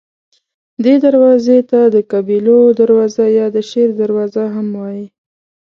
دې دروازې ته د قبیلو دروازه یا د شیر دروازه هم وایي.